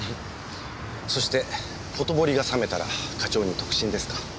そしてほとぼりが冷めたら課長に特進ですか？